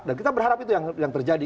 dan kita berharap itu yang terjadi